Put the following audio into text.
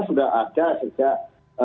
sudah ada sejak